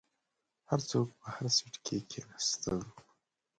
هر څوک په هر سیټ کې کیناستل.